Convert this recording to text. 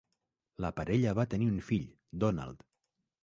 La parella va tenir un fill, Donald.